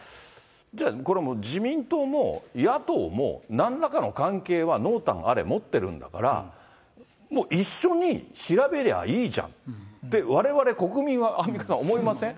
じゃあ、これ、自民党も野党もなんらかの関係は濃淡あれもってるんだから、もう一緒に調べればいいじゃんってわれわれ、国民は思いません？